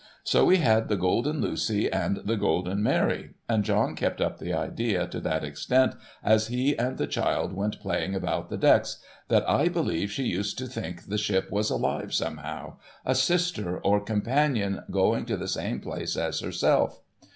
So, we had the Golden Lucy and the Golden Mary ; and John kept up the idea to that extent as he and the child went playing about the decks, that I believe she used to think the ship was alive somehow — a sister or com panion, going to the same place as herself.